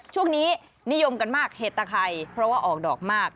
ช่วงนี้นิยมกันมากเห็ดตะไข่เพราะว่าออกดอกมาก